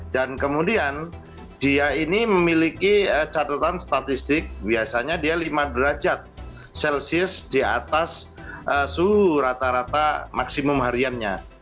dan kemudian dia ini memiliki catatan statistik biasanya dia lima derajat celsius di atas suhu rata rata maksimum hariannya